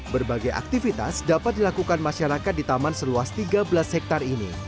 berbagai aktivitas dapat dilakukan masyarakat di taman seluas tiga belas hektare ini